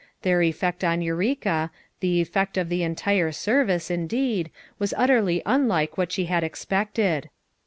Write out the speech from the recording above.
Their effect on Eureka, the effect of the entire serv ice indeed, was utterly unlike what she had ex pected.